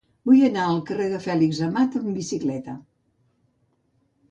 Vull anar al carrer de Fèlix Amat amb bicicleta.